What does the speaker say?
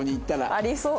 ありそう。